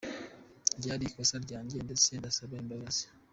Ryari ikosa ryanjye, ndetse ndasaba imbabazi.